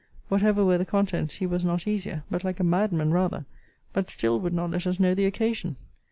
Whatever were the contents, he was not easier, but like a madman rather: but still would not let us know the occasion.